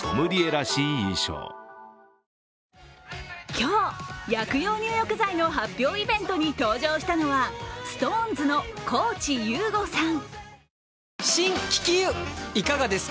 今日、薬用入浴剤の発表イベントに登場したのはＳｉｘＴＯＮＥＳの高地優吾さん。